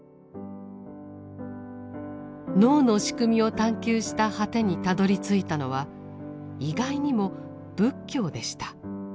脳の仕組みを探求した果てにたどりついたのは意外にも仏教でした。